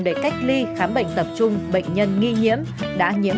để cách ly khám bệnh tập trung bệnh nhân nghi nhiễm